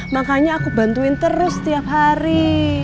makanya aku bantuin terus setiap hari